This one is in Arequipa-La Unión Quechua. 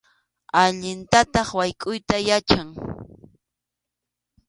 Allintataq waykʼuyta yachan.